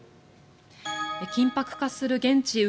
緊迫化する現地